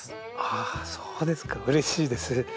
あそうですかうれしいですね。